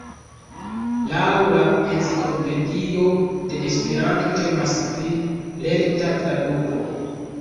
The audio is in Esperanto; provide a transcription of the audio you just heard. Laŭ la Enciklopedio de Esperanto temas pri "lerta traduko".